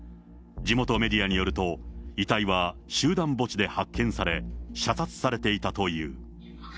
地元メディアによると、遺体は集団墓地で発見され、射殺されていたという。